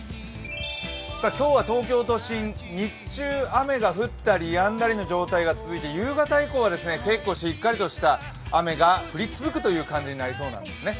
今日の東京都心、日中は雨が降ったりやんだりの状態が続いて夕方以降は、結構しっかりとした雨が降り続くという感じになりそうなんですね。